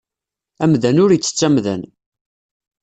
Amdan ur ittett amdan.